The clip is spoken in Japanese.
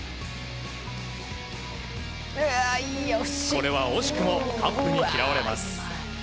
これは惜しくもカップに嫌われます。